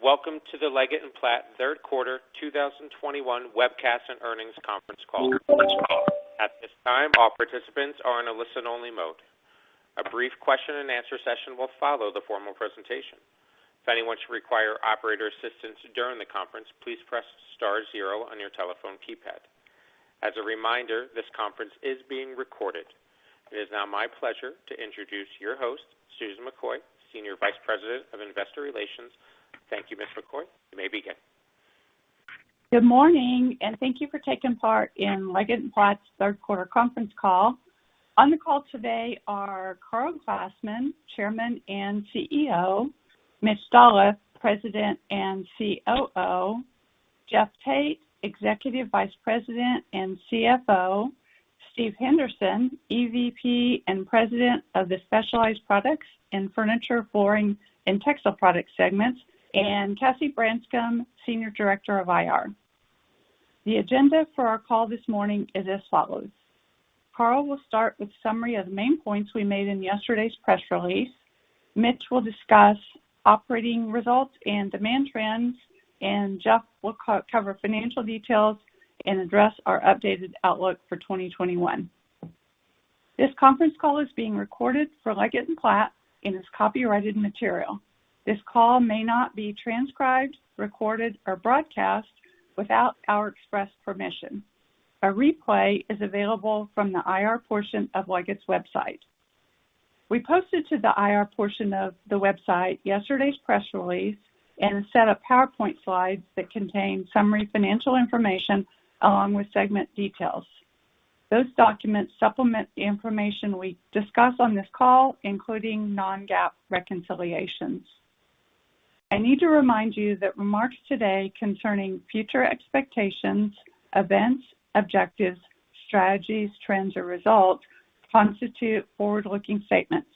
Welcome to the Leggett & Platt third quarter 2021 webcast and earnings conference call. At this time, all participants are in a listen-only mode. A brief question and answer session will follow the formal presentation. If anyone should require operator assistance during the conference, please press star zero on your telephone keypad. As a reminder, this conference is being recorded. It is now my pleasure to introduce your host, Susan McCoy, Senior Vice President of Investor Relations. Thank you, Ms. McCoy. You may begin. Good morning, and thank you for taking part in Leggett & Platt's third quarter conference call. On the call today are Karl Glassman, Chairman and CEO, Mitch Dolloff, President and COO, Jeff Tate, Executive Vice President and CFO, Steve Henderson, EVP and President of the Specialized Products and Furniture, Flooring and Textile Products segments, and Cassie Branscum, Senior Director of IR. The agenda for our call this morning is as follows. Karl will start with summary of the main points we made in yesterday's press release. Mitch will discuss operating results and demand trends, and Jeff will cover financial details and address our updated outlook for 2021. This conference call is being recorded for Leggett & Platt and is copyrighted material. This call may not be transcribed, recorded, or broadcast without our express permission. A replay is available from the IR portion of Leggett's website. We posted to the IR portion of the website yesterday's press release and a set of PowerPoint slides that contain summary financial information along with segment details. Those documents supplement the information we discuss on this call, including non-GAAP reconciliations. I need to remind you that remarks today concerning future expectations, events, objectives, strategies, trends or results constitute forward-looking statements.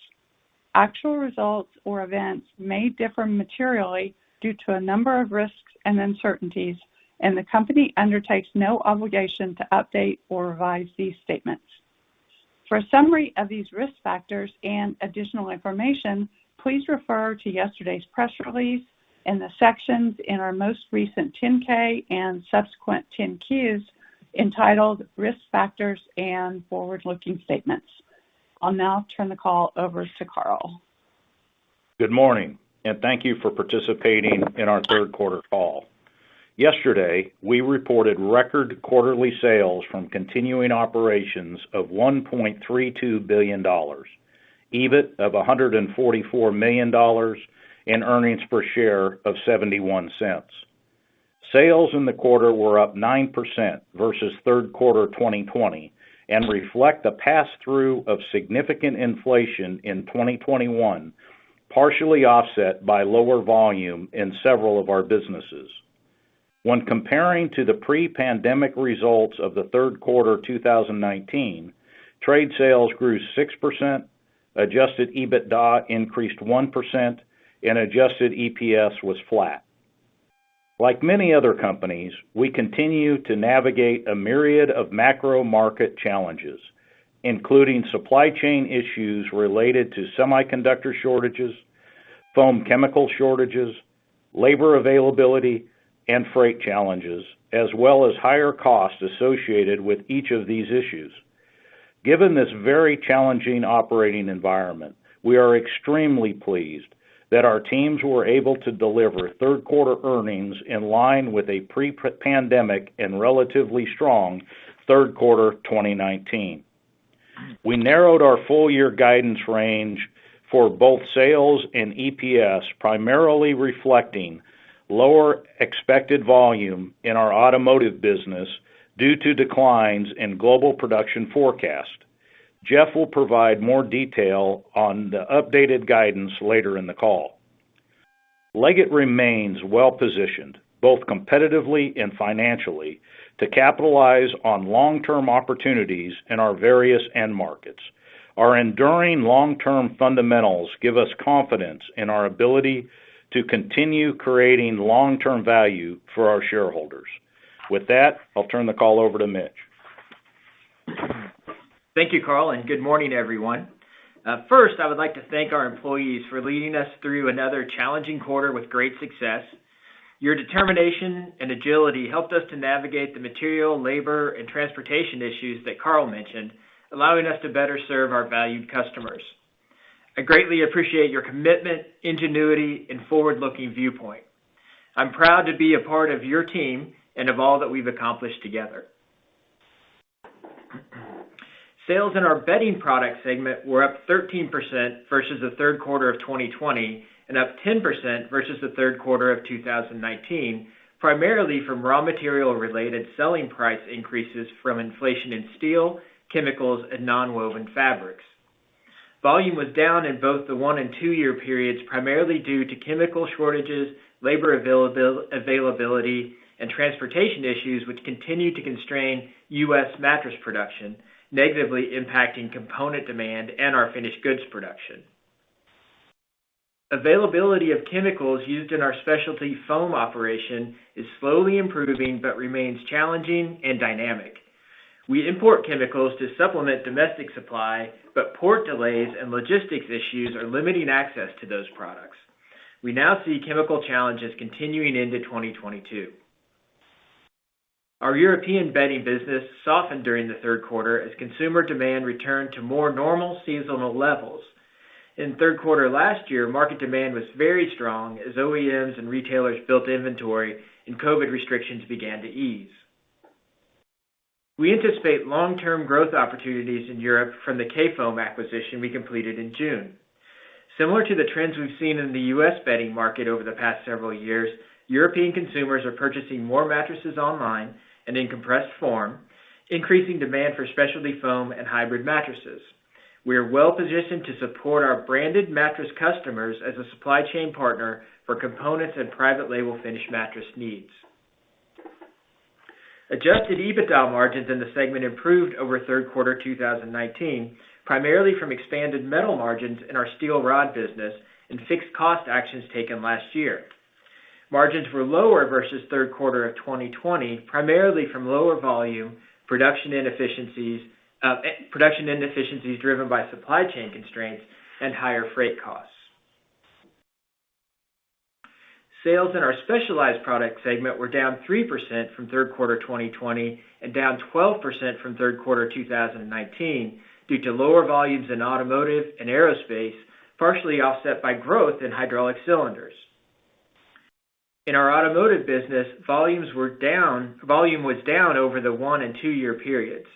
Actual results or events may differ materially due to a number of risks and uncertainties, and the company undertakes no obligation to update or revise these statements. For a summary of these risk factors and additional information, please refer to yesterday's press release in the sections in our most recent 10-K and subsequent 10-Qs entitled Risk Factors and Forward-Looking Statements. I'll now turn the call over to Karl. Good morning, and thank you for participating in our third quarter call. Yesterday, we reported record quarterly sales from continuing operations of $1.32 billion, EBIT of $144 million, and earnings per share of $0.71. Sales in the quarter were up 9% versus third quarter 2020 and reflect the pass-through of significant inflation in 2021, partially offset by lower volume in several of our businesses. When comparing to the pre-pandemic results of the third quarter 2019, trade sales grew 6%, adjusted EBITDA increased 1%, and adjusted EPS was flat. Like many other companies, we continue to navigate a myriad of macro market challenges, including supply chain issues related to semiconductor shortages, foam chemical shortages, labor availability, and freight challenges, as well as higher costs associated with each of these issues. Given this very challenging operating environment, we are extremely pleased that our teams were able to deliver third quarter earnings in line with a pre-pandemic and relatively strong third quarter 2019. We narrowed our full year guidance range for both sales and EPS, primarily reflecting lower expected volume in our automotive business due to declines in global production forecast. Jeff will provide more detail on the updated guidance later in the call. Leggett remains well-positioned, both competitively and financially, to capitalize on long-term opportunities in our various end markets. Our enduring long-term fundamentals give us confidence in our ability to continue creating long-term value for our shareholders. With that, I'll turn the call over to Mitch. Thank you, Karl, and good morning, everyone. First, I would like to thank our employees for leading us through another challenging quarter with great success. Your determination and agility helped us to navigate the material, labor, and transportation issues that Karl mentioned, allowing us to better serve our valued customers. I greatly appreciate your commitment, ingenuity, and forward-looking viewpoint. I'm proud to be a part of your team and of all that we've accomplished together. Sales in our Bedding Products segment were up 13% versus the third quarter of 2020 and up 10% versus the third quarter of 2019, primarily from raw material-related selling price increases from inflation in steel, chemicals, and nonwoven fabrics. Volume was down in both the one and two-year periods, primarily due to chemical shortages, labor availability, and transportation issues, which continue to constrain U.S. mattress production, negatively impacting component demand and our finished goods production. Availability of chemicals used in our specialty foam operation is slowly improving but remains challenging and dynamic. We import chemicals to supplement domestic supply, but port delays and logistics issues are limiting access to those products. We now see chemical challenges continuing into 2022. Our European bedding business softened during the third quarter as consumer demand returned to more normal seasonal levels. In third quarter last year, market demand was very strong as OEMs and retailers built inventory and COVID restrictions began to ease. We anticipate long-term growth opportunities in Europe from the Kayfoam acquisition we completed in June. Similar to the trends we've seen in the U.S. bedding market over the past several years, European consumers are purchasing more mattresses online and in compressed form, increasing demand for specialty foam and hybrid mattresses. We are well-positioned to support our branded mattress customers as a supply chain partner for components and private label finished mattress needs. Adjusted EBITDA margins in the segment improved over third quarter 2019, primarily from expanded Metal margins in our steel rod business and fixed cost actions taken last year. Margins were lower versus third quarter of 2020, primarily from lower volume, production inefficiencies driven by supply chain constraints, and higher freight costs. Sales in our Specialized Products segment were down 3% from third quarter 2020 and down 12% from third quarter 2019 due to lower volumes in automotive and aerospace, partially offset by growth in hydraulic cylinders. In our automotive business, volume was down over the one and two-year periods.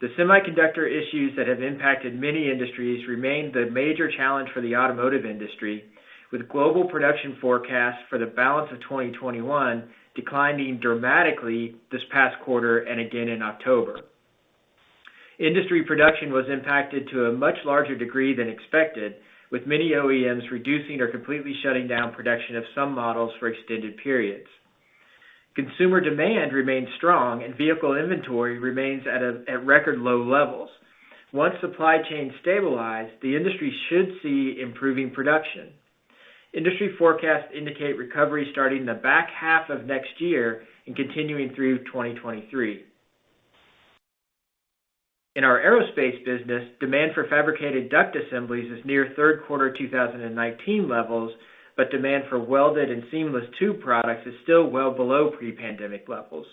The semiconductor issues that have impacted many industries remain the major challenge for the automotive industry, with global production forecasts for the balance of 2021 declining dramatically this past quarter and again in October. Industry production was impacted to a much larger degree than expected, with many OEMs reducing or completely shutting down production of some models for extended periods. Consumer demand remains strong, and vehicle inventory remains at record low levels. Once supply chains stabilize, the industry should see improving production. Industry forecasts indicate recovery starting in the back half of next year and continuing through 2023. In our aerospace business, demand for fabricated duct assemblies is near third quarter 2019 levels, but demand for welded and seamless tube products is still well below pre-pandemic levels.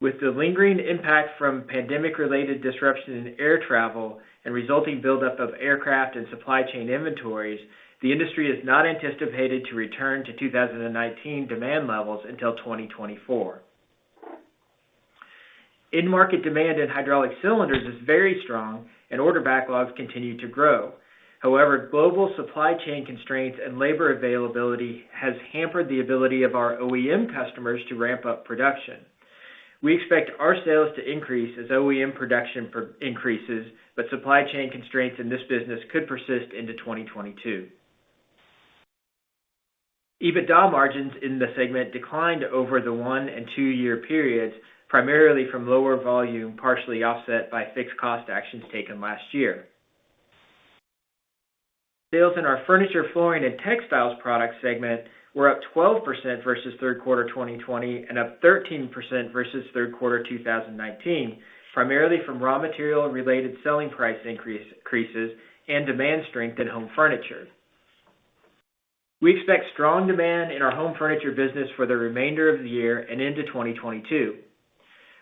With the lingering impact from pandemic-related disruption in air travel and resulting buildup of aircraft and supply chain inventories, the industry is not anticipated to return to 2019 demand levels until 2024. End market demand in hydraulic cylinders is very strong, and order backlogs continue to grow. However, global supply chain constraints and labor availability has hampered the ability of our OEM customers to ramp up production. We expect our sales to increase as OEM production increases, but supply chain constraints in this business could persist into 2022. EBITDA margins in the segment declined over the one and two-year periods, primarily from lower volume, partially offset by fixed cost actions taken last year. Sales in our Furniture, Flooring, and Textiles product segment were up 12% versus third quarter 2020 and up 13% versus third quarter 2019, primarily from raw material and related selling price increases and demand strength in home furniture. We expect strong demand in our home furniture business for the remainder of the year and into 2022.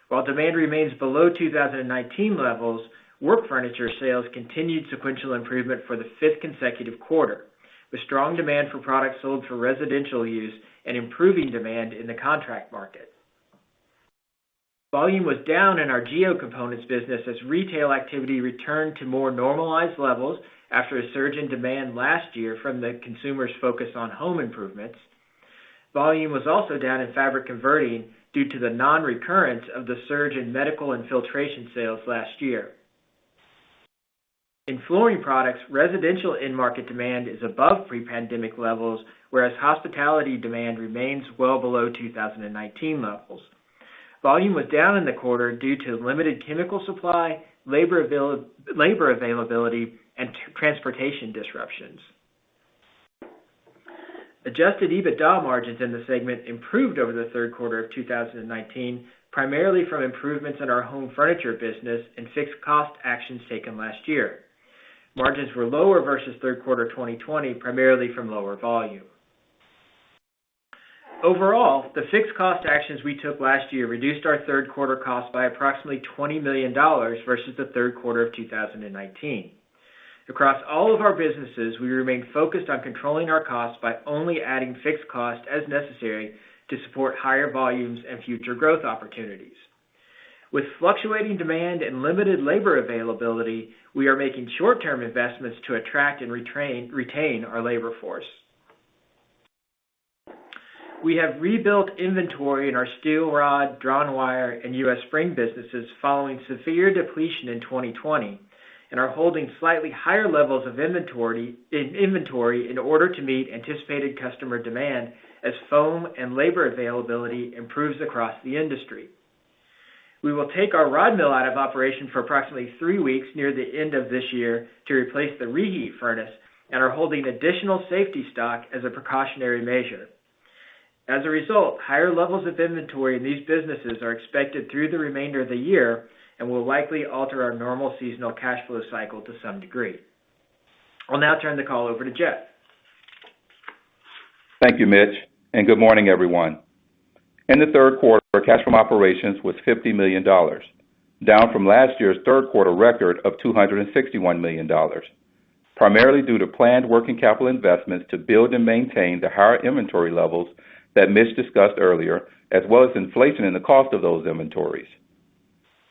While demand remains below 2019 levels, work furniture sales continued sequential improvement for the 5th consecutive quarter, with strong demand for products sold for residential use and improving demand in the contract market. Volume was down in our Geo Components business as retail activity returned to more normalized levels after a surge in demand last year from the consumer's focus on home improvements. Volume was also down in fabric converting due to the non-recurrence of the surge in medical and filtration sales last year. In flooring products, residential end market demand is above pre-pandemic levels, whereas hospitality demand remains well below 2019 levels. Volume was down in the quarter due to limited chemical supply, labor availability, and transportation disruptions. Adjusted EBITDA margins in the segment improved over the third quarter of 2019, primarily from improvements in our home furniture business and fixed cost actions taken last year. Margins were lower versus third quarter 2020, primarily from lower volume. Overall, the fixed cost actions we took last year reduced our third quarter costs by approximately $20 million versus the third quarter of 2019. Across all of our businesses, we remain focused on controlling our costs by only adding fixed cost as necessary to support higher volumes and future growth opportunities. With fluctuating demand and limited labor availability, we are making short-term investments to attract and retain our labor force. We have rebuilt inventory in our steel rod, drawn wire, and U.S. spring businesses following severe depletion in 2020 and are holding slightly higher levels of inventory in order to meet anticipated customer demand as foam and labor availability improves across the industry. We will take our rod mill out of operation for approximately three weeks near the end of this year to replace the reheat furnace and are holding additional safety stock as a precautionary measure. As a result, higher levels of inventory in these businesses are expected through the remainder of the year and will likely alter our normal seasonal cash flow cycle to some degree. I'll now turn the call over to Jeff. Thank you, Mitch, and good morning, everyone. In the third quarter, cash from operations was $50 million, down from last year's third quarter record of $261 million, primarily due to planned working capital investments to build and maintain the higher inventory levels that Mitch discussed earlier, as well as inflation in the cost of those inventories.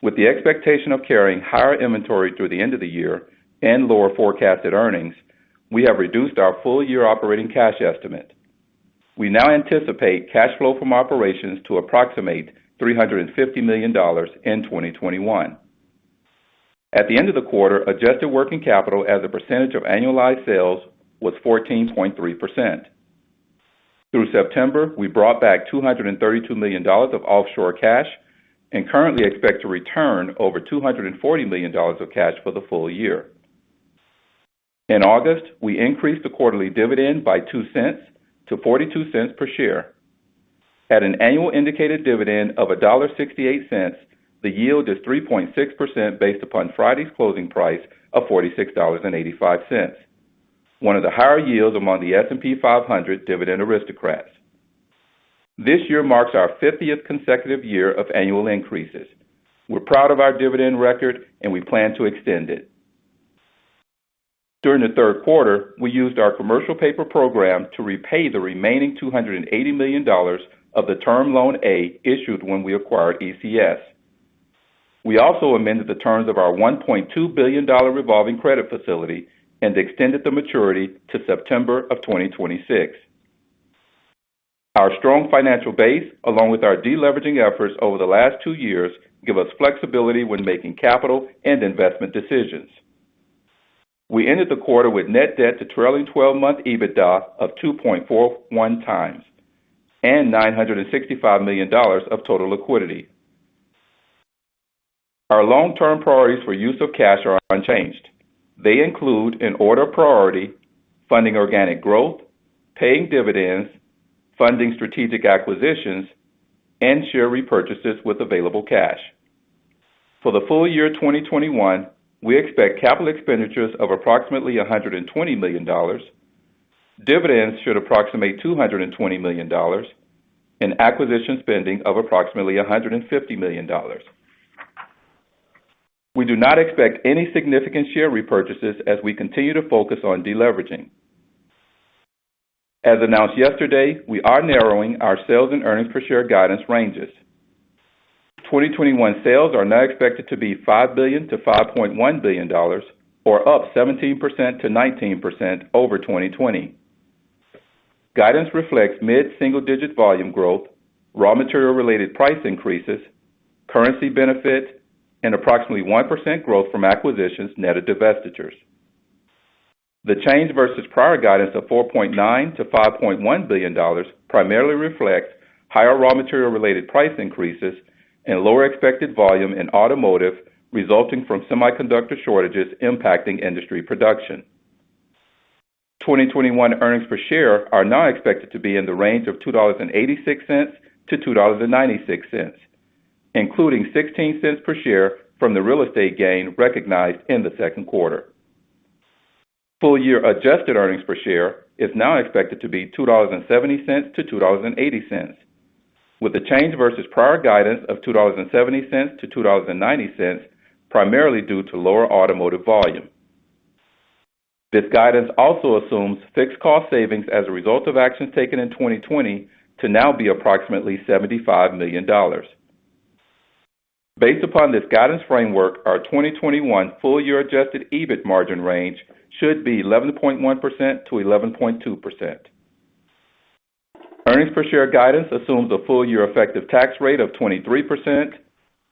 With the expectation of carrying higher inventory through the end of the year and lower forecasted earnings, we have reduced our full year operating cash estimate. We now anticipate cash flow from operations to approximate $350 million in 2021. At the end of the quarter, adjusted working capital as a percentage of annualized sales was 14.3%. Through September, we brought back $232 million of offshore cash and currently expect to return over $240 million of cash for the full year. In August, we increased the quarterly dividend by $0.02 to $0.42 per share. At an annual indicated dividend of $1.68, the yield is 3.6% based upon Friday's closing price of $46.85, one of the higher yields among the S&P 500 Dividend Aristocrats. This year marks our 50th consecutive year of annual increases. We're proud of our dividend record, and we plan to extend it. During the third quarter, we used our commercial paper program to repay the remaining $280 million of the Term Loan A issued when we acquired ECS. We also amended the terms of our $1.2 billion revolving credit facility and extended the maturity to September 2026. Our strong financial base, along with our deleveraging efforts over the last two years, give us flexibility when making capital and investment decisions. We ended the quarter with net debt to trailing 12-month EBITDA of 2.41 times and $965 million of total liquidity. Our long-term priorities for use of cash are unchanged. They include, in order of priority, funding organic growth, paying dividends, funding strategic acquisitions, and share repurchases with available cash. For the full year 2021, we expect capital expenditures of approximately $120 million. Dividends should approximate $220 million and acquisition spending of approximately $150 million. We do not expect any significant share repurchases as we continue to focus on deleveraging. As announced yesterday, we are narrowing our sales and earnings per share guidance ranges. 2021 sales are now expected to be $5 to 5.1 billion, or up 17% to 19% over 2020. Guidance reflects mid-single-digit volume growth, raw material related price increases, currency benefit, and approximately 1% growth from acquisitions net of divestitures. The change versus prior guidance of $4.9 to 5.1 billion primarily reflects higher raw material related price increases and lower expected volume in automotive resulting from semiconductor shortages impacting industry production. 2021 earnings per share are now expected to be in the range of $2.86 to $2.96, including $0.16 per share from the real estate gain recognized in the second quarter. Full year adjusted earnings per share is now expected to be $2.70 to $2.80, with the change versus prior guidance of $2.70 to $2.90 primarily due to lower automotive volume. This guidance also assumes fixed cost savings as a result of actions taken in 2020 to now be approximately $75 million. Based upon this guidance framework, our 2021 full year adjusted EBIT margin range should be 11.1% to 11.2%. Earnings per share guidance assumes a full year effective tax rate of 23%,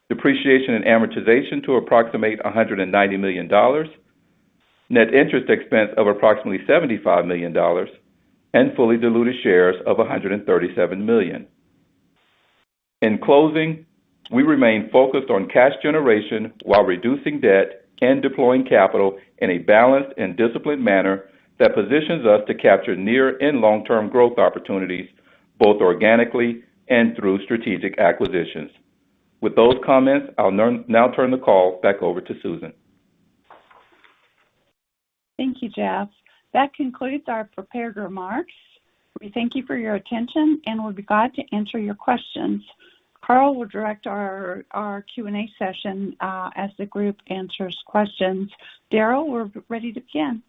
depreciation and amortization to approximate $190 million, net interest expense of approximately $75 million, and fully diluted shares of 137 million. In closing, we remain focused on cash generation while reducing debt and deploying capital in a balanced and disciplined manner that positions us to capture near and long-term growth opportunities, both organically and through strategic acquisitions. With those comments, I'll now turn the call back over to Susan. Thank you, Jeff. That concludes our prepared remarks. We thank you for your attention, and we'll be glad to answer your questions. Karl will direct our Q&A session as the group answers questions. Daryl, we're ready to begin.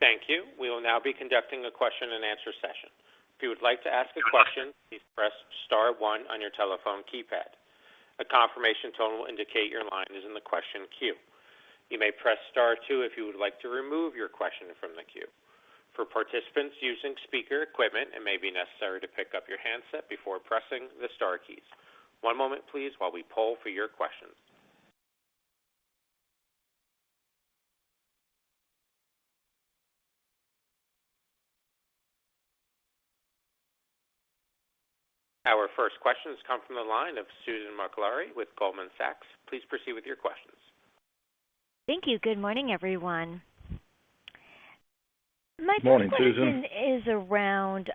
Thank you. We will now be conducting a question and answer session. If you would like to ask a question, please press star one on your telephone keypad. A confirmation tone will indicate your line is in the question queue. You may press star two if you would like to remove your question from the queue. For participants using speaker equipment, it may be necessary to pick up your handset before pressing the star keys. One moment, please, while we poll for your questions. Our first questions come from the line of Susan Maklari with Goldman Sachs. Please proceed with your questions. Thank you. Good morning, everyone. Good morning, Susan. My first question is around,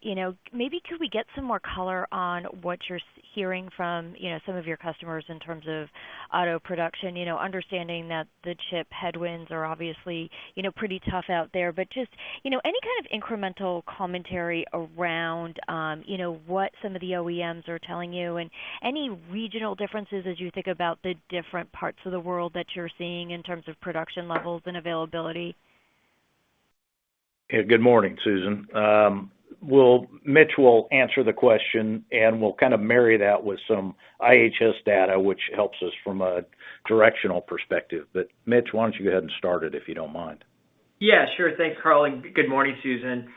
you know, maybe could we get some more color on what you're hearing from, you know, some of your customers in terms of auto production, you know, understanding that the chip headwinds are obviously, you know, pretty tough out there, but just, you know, any kind of incremental commentary around, you know, what some of the OEMs are telling you and any regional differences as you think about the different parts of the world that you're seeing in terms of production levels and availability. Yeah. Good morning, Susan. Mitch will answer the question, and we'll kind of marry that with some IHS data, which helps us from a directional perspective. Mitch, why don't you go ahead and start it, if you don't mind. Yeah, sure. Thanks, Karl, and good morning, Susan.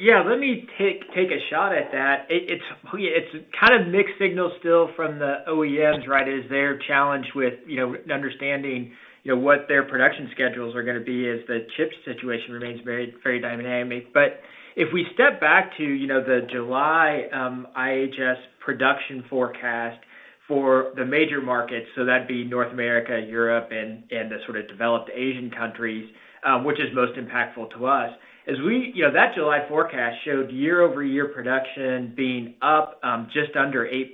Yeah, let me take a shot at that. It's kind of mixed signals still from the OEMs, right, as they're challenged with you know, understanding you know, what their production schedules are gonna be as the chip situation remains very, very dynamic. If we step back to you know, the July IHS production forecast for the major markets, so that'd be North America, Europe and the sort of developed Asian countries, which is most impactful to us. You know, that July forecast showed year-over-year production being up just under 8%.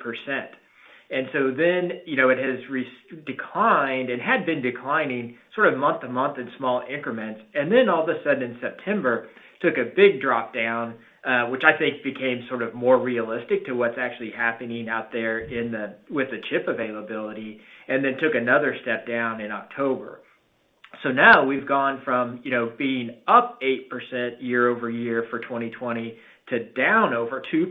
It has declined and had been declining sort of month to month in small increments, and then all of a sudden in September took a big drop down, which I think became sort of more realistic to what's actually happening out there with the chip availability, and then took another step down in October. Now we've gone from, you know, being up 8% year-over-year for 2020 to down over 2%,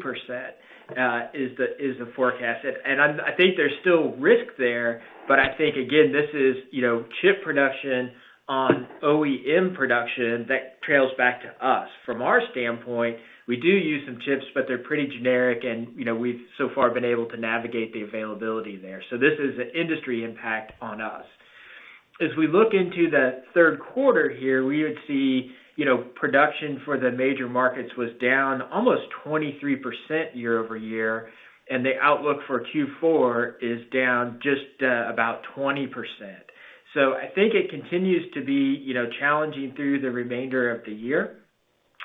is the forecast. I think there's still risk there, but I think again, this is, you know, chip production on OEM production that trails back to us. From our standpoint, we do use some chips, but they're pretty generic and, you know, we've so far been able to navigate the availability there. This is an industry impact on us. As we look into the third quarter here, we would see, you know, production for the major markets was down almost 23% year-over-year, and the outlook for Q4 is down just about 20%. I think it continues to be, you know, challenging through the remainder of the year.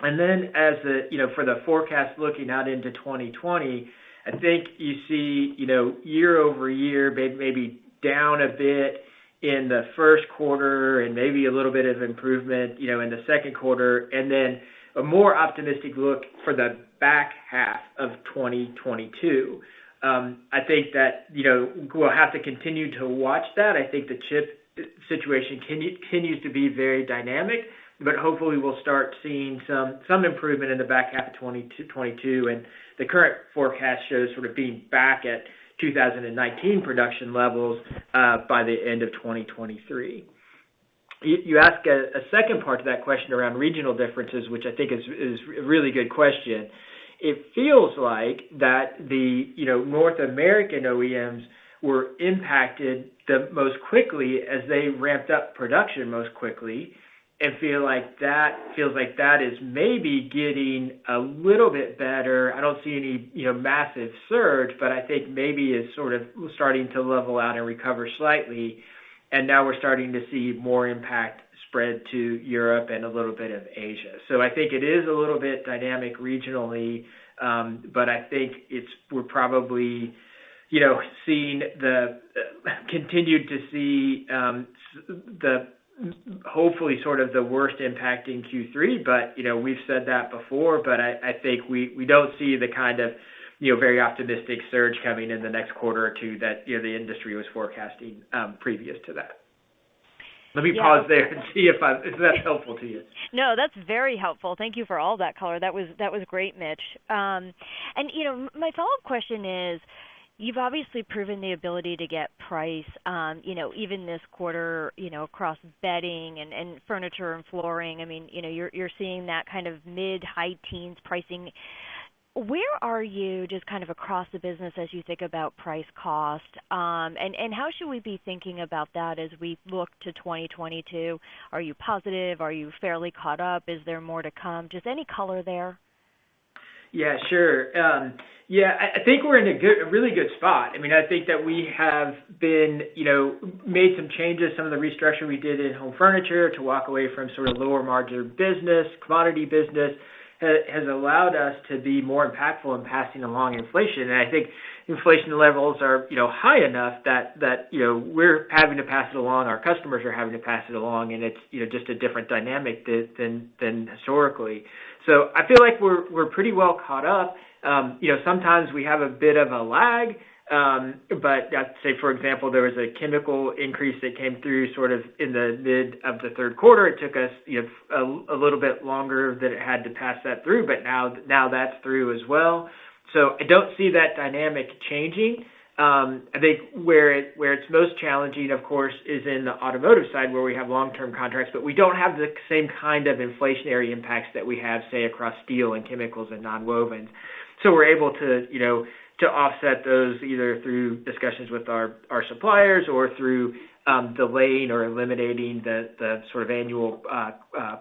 Then as the, you know, for the forecast looking out into 2020, I think you see, you know, year-over-year, maybe down a bit in the first quarter and maybe a little bit of improvement, you know, in the second quarter, and then a more optimistic look for the back half of 2022. I think that, you know, we'll have to continue to watch that. I think the chip situation continues to be very dynamic, but hopefully we'll start seeing some improvement in the back half of 2022, and the current forecast shows sort of being back at 2019 production levels by the end of 2023. You ask a second part to that question around regional differences, which I think is a really good question. It feels like the, you know, North American OEMs were impacted the most quickly as they ramped up production most quickly and feels like that is maybe getting a little bit better. I don't see any, you know, massive surge, but I think maybe it's sort of starting to level out and recover slightly, and now we're starting to see more impact spread to Europe and a little bit of Asia. I think it is a little bit dynamic regionally, but I think we're probably, you know, seeing maybe hopefully sort of the worst impact in Q3, but, you know, we've said that before, but I think we don't see the kind of, you know, very optimistic surge coming in the next quarter or two that, you know, the industry was forecasting previous to that. Let me pause there and see if I've. Is that helpful to you? No, that's very helpful. Thank you for all that color. That was great, Mitch. My follow-up question is, you've obviously proven the ability to get price, you know, even this quarter, you know, across bedding and furniture and flooring. I mean, you know, you're seeing that kind of mid-high teens pricing. Where are you just kind of across the business as you think about price cost? How should we be thinking about that as we look to 2022? Are you positive? Are you fairly caught up? Is there more to come? Just any color there. Yeah, sure. Yeah, I think we're in a really good spot. I mean, I think that we have been, you know, made some changes. Some of the restructuring we did in home furniture to walk away from sort of lower margin business, commodity business, has allowed us to be more impactful in passing along inflation. I think inflation levels are, you know, high enough that, you know, we're having to pass it along, our customers are having to pass it along, and it's, you know, just a different dynamic than historically. I feel like we're pretty well caught up. You know, sometimes we have a bit of a lag, but say, for example, there was a chemical increase that came through sort of in the mid of the third quarter. It took us, you know, a little bit longer than it had to pass that through, but now that's through as well. I don't see that dynamic changing. I think where it's most challenging, of course, is in the automotive side where we have long-term contracts, but we don't have the same kind of inflationary impacts that we have, say, across steel and chemicals and nonwovens. We're able to, you know, to offset those either through discussions with our suppliers or through delaying or eliminating the sort of annual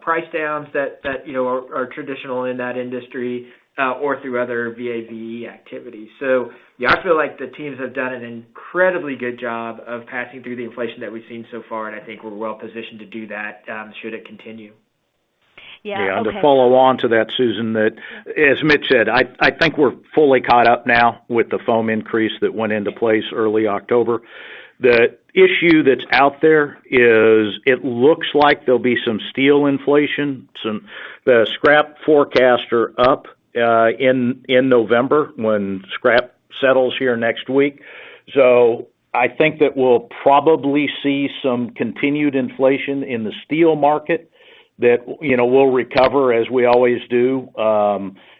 price downs that you know are traditional in that industry, or through other VA/VE activity. Yeah, I feel like the teams have done an incredibly good job of passing through the inflation that we've seen so far, and I think we're well positioned to do that, should it continue. Yeah. Okay. Yeah. To follow on to that, Susan, that as Mitch said, I think we're fully caught up now with the foam increase that went into place early October. The issue that's out there is it looks like there'll be some steel inflation. The scrap forecasts are up in November, when scrap settles here next week. I think that we'll probably see some continued inflation in the steel market that, you know, will recover as we always do,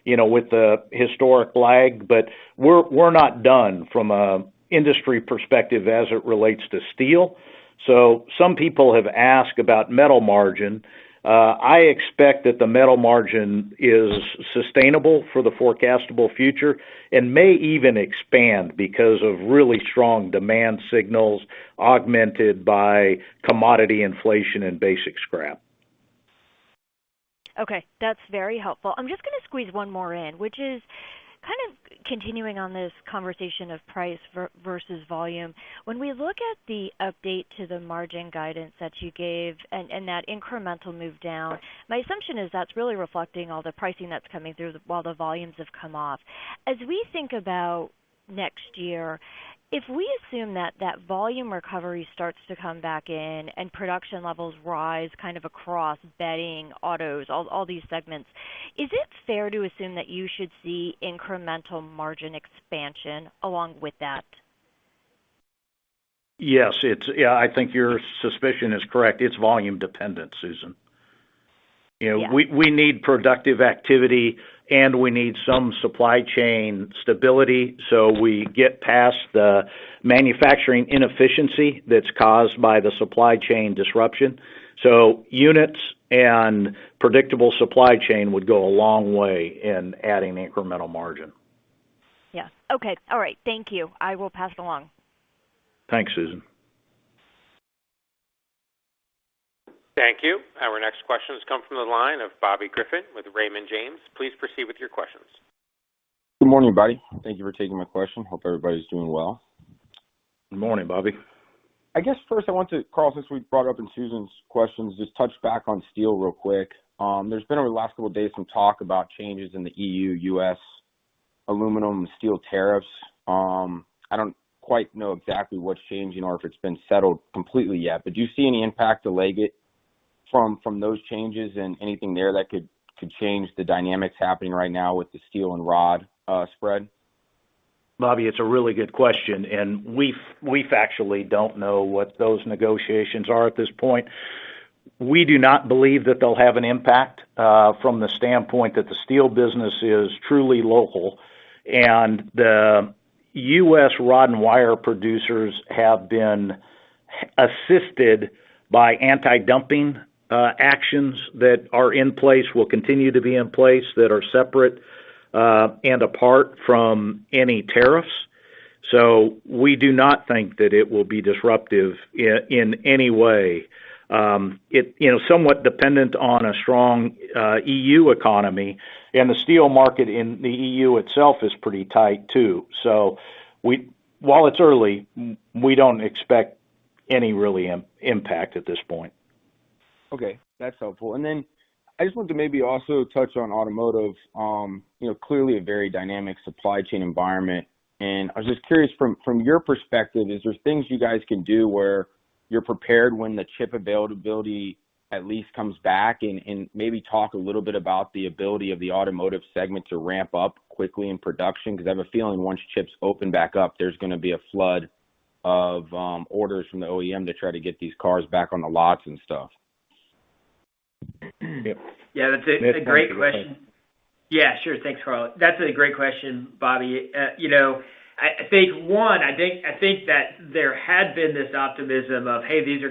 you know, with the historic lag. We're not done from industry perspective as it relates to steel. Some people have asked about Metal Margin. I expect that the Metal Margin is sustainable for the foreseeable future and may even expand because of really strong demand signals augmented by commodity inflation and basic scrap. Okay. That's very helpful. I'm just gonna squeeze one more in, which is kind of continuing on this conversation of price versus volume. When we look at the update to the margin guidance that you gave and that incremental move down, my assumption is that's really reflecting all the pricing that's coming through while the volumes have come off. As we think about next year, if we assume that volume recovery starts to come back in and production levels rise kind of across bedding, autos, all these segments, is it fair to assume that you should see incremental margin expansion along with that? Yes. Yeah, I think your suspicion is correct. It's volume dependent, Susan. Yeah. You know, we need productive activity, and we need some supply chain stability, so we get past the manufacturing inefficiency that's caused by the supply chain disruption. Units and predictable supply chain would go a long way in adding incremental margin. Yes. Okay. All right. Thank you. I will pass along. Thanks, Susan. Thank you. Our next question has come from the line of Bobby Griffin with Raymond James. Please proceed with your questions. Good morning, everybody. Thank you for taking my question. Hope everybody's doing well. Good morning, Bobby. I guess first I want to, Karl, since we brought up in Susan's questions, just touch back on steel real quick. There's been over the last couple of days some talk about changes in the EU-U.S. aluminum and steel tariffs. I don't quite know exactly what's changing or if it's been settled completely yet, but do you see any impact to Leggett from those changes and anything there that could change the dynamics happening right now with the steel and rod spread? Bobby, it's a really good question, and we factually don't know what those negotiations are at this point. We do not believe that they'll have an impact from the standpoint that the steel business is truly local, and the U.S. rod and wire producers have been assisted by anti-dumping actions that are in place, will continue to be in place that are separate and apart from any tariffs. We do not think that it will be disruptive in any way. You know, it's somewhat dependent on a strong EU economy, and the steel market in the EU itself is pretty tight too. While it's early, we don't expect any real impact at this point. Okay, that's helpful. Then I just want to maybe also touch on automotive. You know, clearly a very dynamic supply chain environment. I was just curious from your perspective, is there things you guys can do where you're prepared when the chip availability at least comes back and maybe talk a little bit about the ability of the automotive segment to ramp up quickly in production? Because I have a feeling once chips open back up, there's gonna be a flood of orders from the OEM to try to get these cars back on the lots and stuff. Yeah, that's a great question. Mitch, do you want to take- Yeah, sure. Thanks, Carl. That's a great question, Bobby. You know, I think that there had been this optimism of, hey, this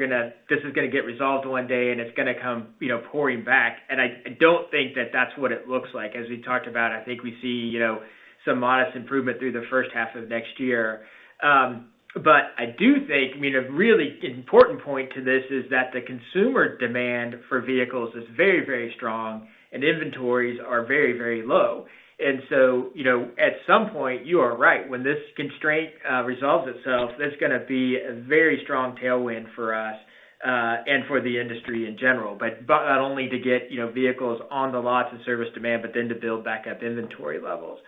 is gonna get resolved one day, and it's gonna come, you know, pouring back. I don't think that that's what it looks like. As we talked about, I think we see, you know, some modest improvement through the first half of next year. But I do think, I mean, a really important point to this is that the consumer demand for vehicles is very, very strong, and inventories are very, very low. So, you know, at some point, you are right. When this constraint resolves itself, there's gonna be a very strong tailwind for us, and for the industry in general. Not only to get, you know, vehicles on the lots and service demand, but then to build back up inventory levels.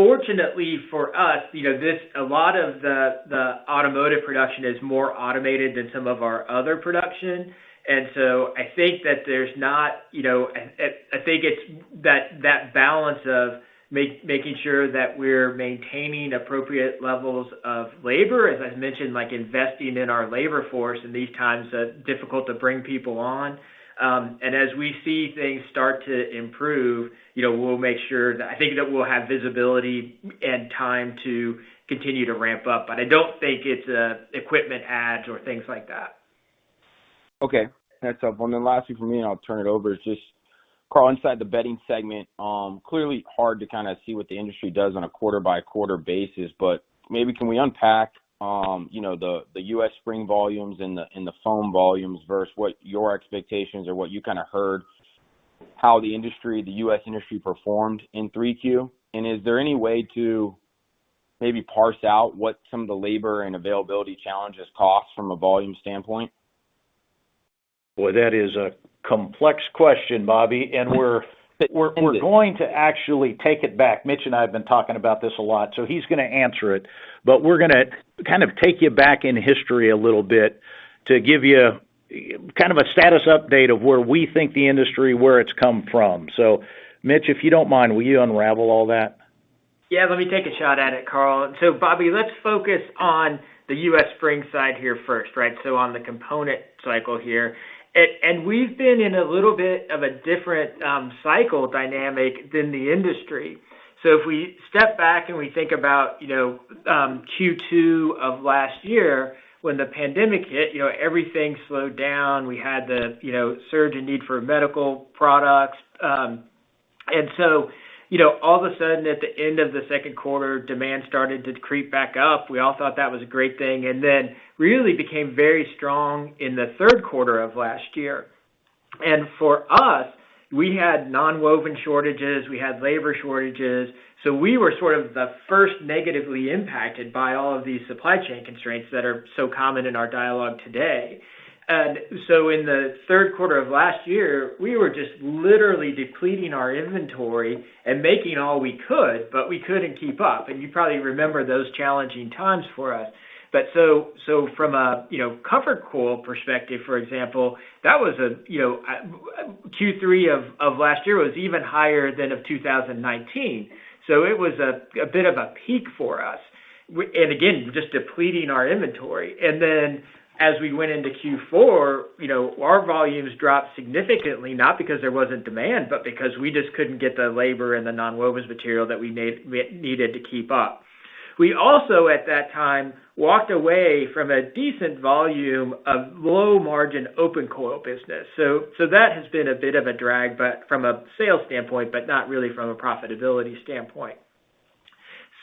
Fortunately for us, you know, this, a lot of the automotive production is more automated than some of our other production. I think that there's not, you know. I think it's that balance of making sure that we're maintaining appropriate levels of labor, as I mentioned, like, investing in our labor force in these times that are difficult to bring people on. As we see things start to improve, you know, we'll make sure that I think that we'll have visibility and time to continue to ramp up. I don't think it's equipment adds or things like that. Okay. That's helpful. Then lastly for me, and I'll turn it over, is just, Karl, inside the bedding segment, clearly hard to kind of see what the industry does on a quarter-by-quarter basis, but maybe can we unpack, you know, the U.S. spring volumes and the foam volumes versus what your expectations or what you kind of heard how the industry, the U.S. industry performed in 3Q? Is there any way to maybe parse out what some of the labor and availability challenges cost from a volume standpoint? Boy, that is a complex question, Bobby. We're going to actually take it back. Mitch and I have been talking about this a lot, so he's gonna answer it. We're gonna kind of take you back in history a little bit to give you kind of a status update of where we think the industry, where it's come from. Mitch, if you don't mind, will you unravel all that? Yeah. Let me take a shot at it, Karl. Bobby, let's focus on the U.S. spring side here first, right? On the component cycle here. We've been in a little bit of a different cycle dynamic than the industry. If we step back and we think about, you know, Q2 of last year when the pandemic hit, you know, everything slowed down. We had the, you know, surge in need for medical products. You know, all of a sudden, at the end of the second quarter, demand started to creep back up. We all thought that was a great thing, and then really became very strong in the third quarter of last year. For us, we had nonwoven shortages, we had labor shortages, so we were sort of the first negatively impacted by all of these supply chain constraints that are so common in our dialogue today. In the third quarter of last year, we were just literally depleting our inventory and making all we could, but we couldn't keep up. You probably remember those challenging times for us. From a, you know, ComfortCoil perspective, for example, that was a, you know, Q3 of last year was even higher than of 2019. It was a bit of a peak for us. Again, just depleting our inventory. Then as we went into Q4, you know, our volumes dropped significantly, not because there wasn't demand, but because we just couldn't get the labor and the nonwovens material that we need, we needed to keep up. We also, at that time, walked away from a decent volume of low margin open coil business. So that has been a bit of a drag, but from a sales standpoint, but not really from a profitability standpoint.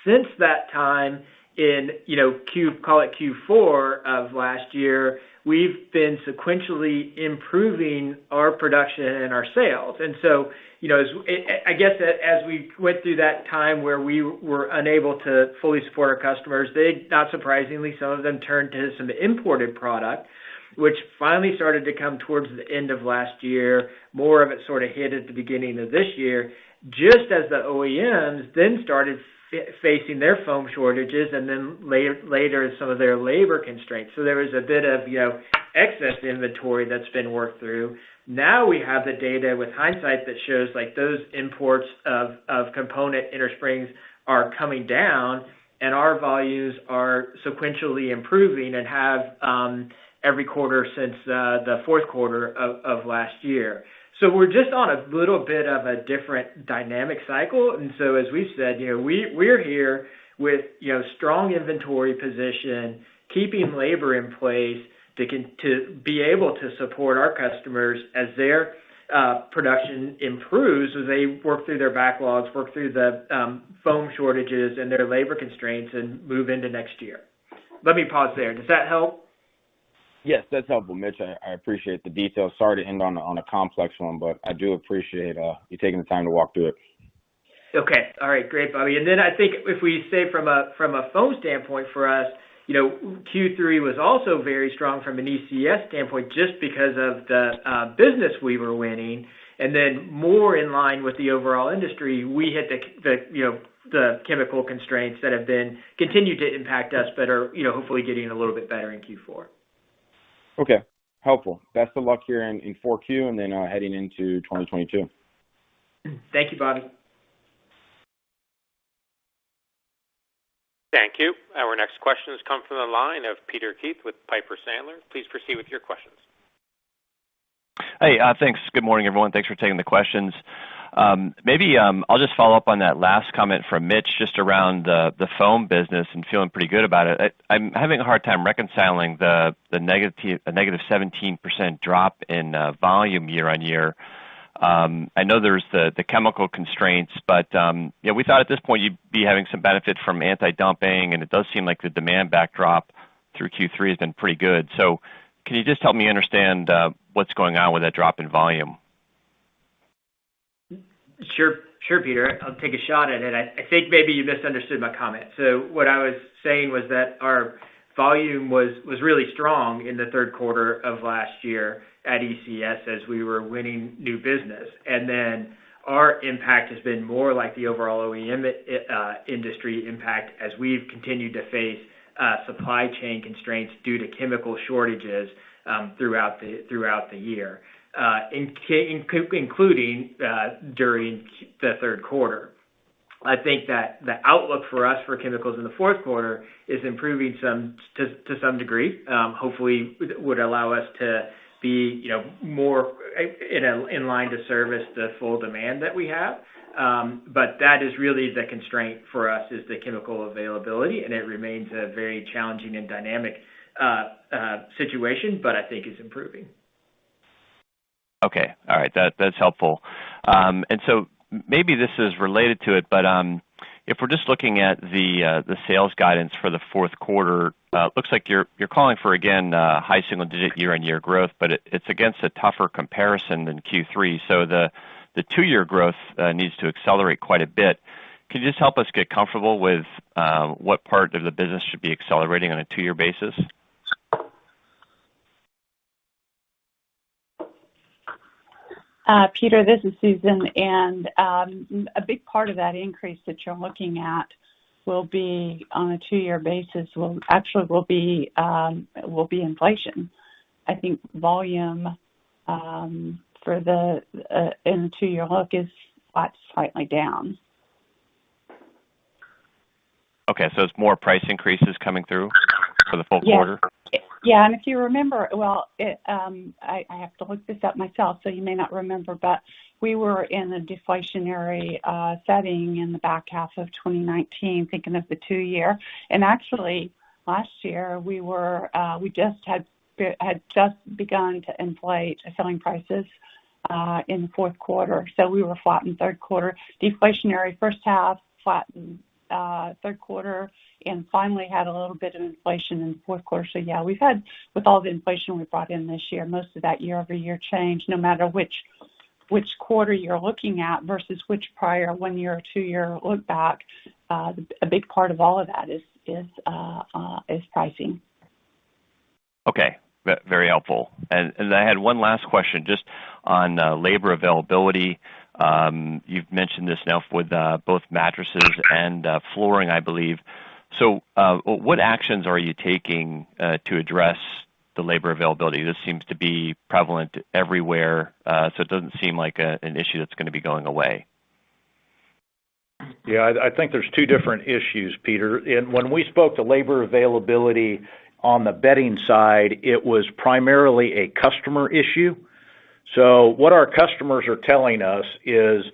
Since that time, you know, call it Q4 of last year, we've been sequentially improving our production and our sales. You know, and I guess as we went through that time where we were unable to fully support our customers, they, not surprisingly, some of them turned to some imported product, which finally started to come towards the end of last year. More of it sort of hit at the beginning of this year, just as the OEMs then started facing their foam shortages and then later, some of their labor constraints. There was a bit of, you know, excess inventory that's been worked through. Now we have the data with hindsight that shows, like, those imports of component inner springs are coming down and our volumes are sequentially improving and have every quarter since the fourth quarter of last year. We're just on a little bit of a different dynamic cycle. As we've said, you know, we're here with, you know, strong inventory position, keeping labor in place to be able to support our customers as their production improves as they work through their backlogs, work through the foam shortages and their labor constraints and move into next year. Let me pause there. Does that help? Yes, that's helpful, Mitch. I appreciate the detail. Sorry to end on a complex one, but I do appreciate you taking the time to walk through it. Okay. All right. Great, Bobby. Then I think if we say from a foam standpoint for us, you know, Q3 was also very strong from an ECS standpoint, just because of the business we were winning. Then more in line with the overall industry, we had the you know the chemical constraints that have been continued to impact us but are, you know, hopefully getting a little bit better in Q4. Okay. Helpful. Best of luck here in 4Q and then heading into 2022. Thank you, Bobby. Thank you. Our next question has come from the line of Peter Keith with Piper Sandler. Please proceed with your questions. Hey. Thanks. Good morning, everyone. Thanks for taking the questions. Maybe I'll just follow up on that last comment from Mitch just around the foam business and feeling pretty good about it. I'm having a hard time reconciling the negative 17% drop in volume year-over-year. I know there's the chemical constraints, but you know, we thought at this point you'd be having some benefit from anti-dumping, and it does seem like the demand backdrop through Q3 has been pretty good. Can you just help me understand what's going on with that drop in volume? Sure., Peter. I'll take a shot at it. I think maybe you misunderstood my comment. What I was saying was that our volume was really strong in the third quarter of last year at ECS as we were winning new business. Then our impact has been more like the overall OEM industry impact as we've continued to face supply chain constraints due to chemical shortages throughout the year, including during the third quarter. I think that the outlook for us for chemicals in the fourth quarter is improving somewhat to some degree. Hopefully would allow us to be, you know, more in line to service the full demand that we have. That is really the constraint for us, is the chemical availability, and it remains a very challenging and dynamic situation, but I think it's improving. Okay. All right. That's helpful. Maybe this is related to it, but if we're just looking at the sales guidance for the fourth quarter, looks like you're calling for, again, high single-digit year-on-year growth, but it's against a tougher comparison than Q3. The two-year growth needs to accelerate quite a bit. Can you just help us get comfortable with what part of the business should be accelerating on a two-year basis? Peter, this is Susan. A big part of that increase that you're looking at will be on a two-year basis, will actually be inflation. I think volume for the year in the two-year look is flat to slightly down. Okay. It's more price increases coming through for the full quarter? Yeah, if you remember, well, I have to look this up myself, so you may not remember, but we were in a deflationary setting in the back half of 2019, thinking of the two-year. Actually, last year, we had just begun to inflate selling prices in the fourth quarter. We were flat in third quarter. Deflationary first half, flat in third quarter, and finally had a little bit of inflation in the fourth quarter. Yeah, we've had with all the inflation we brought in this year, most of that year-over-year change, no matter which quarter you're looking at versus which prior one-year or two-year look back, a big part of all of that is pricing. Okay. Very helpful. I had one last question just on labor availability. You've mentioned this now with both mattresses and flooring, I believe. What actions are you taking to address the labor availability? This seems to be prevalent everywhere, so it doesn't seem like an issue that's gonna be going away. Yeah, I think there's two different issues, Peter. When we spoke to labor availability on the bedding side, it was primarily a customer issue. What our customers are telling us is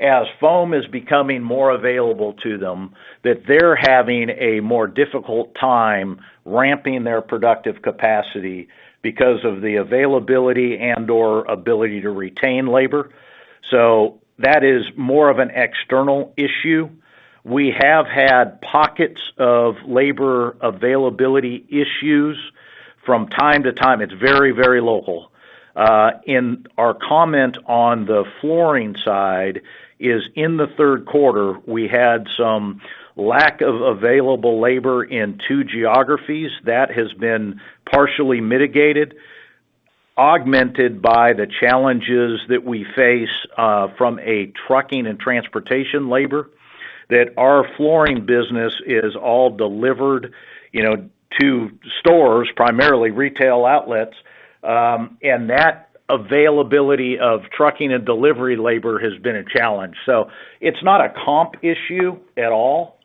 as foam is becoming more available to them, that they're having a more difficult time ramping their productive capacity because of the availability and/or ability to retain labor. That is more of an external issue. We have had pockets of labor availability issues from time to time. It's very, very local. Our comment on the flooring side is in the third quarter, we had some lack of available labor in two geographies. That has been partially mitigated, augmented by the challenges that we face from a trucking and transportation labor, that our flooring business is all delivered, you know, to stores, primarily retail outlets, and that availability of trucking and delivery labor has been a challenge. It's not a comp issue at all.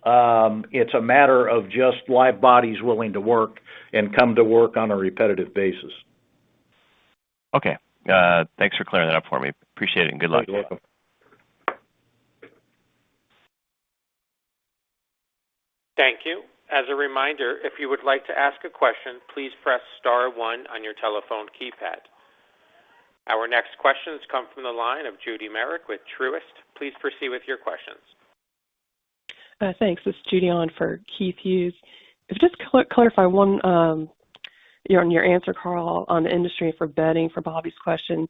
It's a matter of just live bodies willing to work and come to work on a repetitive basis. Okay. Thanks for clearing that up for me. Appreciate it, and good luck. You're welcome. Thank you. As a reminder, if you would like to ask a question, please press star one on your telephone keypad. Our next question comes from the line of Judy Merrick with Truist. Please proceed with your questions. Thanks. This is Judy on for Keith Hughes. Just clarify one, you know, on your answer, Karl, on industry for bedding for Bobby's question.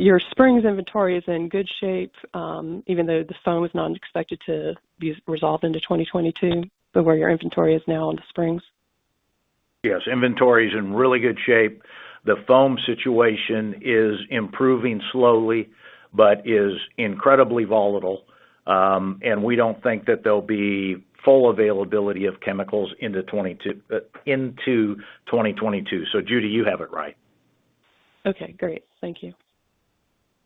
Your springs inventory is in good shape, even though the foam is not expected to be resolved until 2022, but where your inventory is now on the springs? Yes, inventory is in really good shape. The foam situation is improving slowly but is incredibly volatile. We don't think that there'll be full availability of chemicals into 2022. Judy, you have it right. Okay, great. Thank you.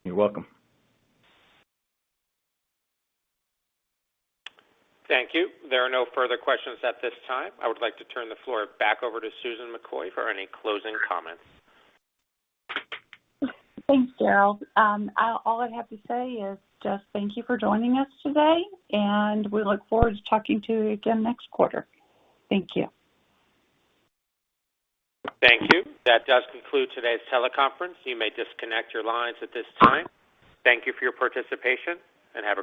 You're welcome. Thank you. There are no further questions at this time. I would like to turn the floor back over to Susan McCoy for any closing comments. Thanks, Daryl. All I have to say is just thank you for joining us today, and we look forward to talking to you again next quarter. Thank you. Thank you. That does conclude today's teleconference. You may disconnect your lines at this time. Thank you for your participation, and have a great day.